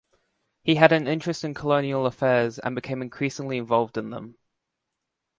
He had an interest in colonial affairs, and became increasingly involved in them.